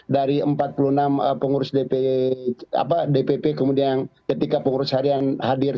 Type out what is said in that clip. dari empat puluh enam pengurus dpp kemudian ketiga pengurus harian hadir tiga puluh dua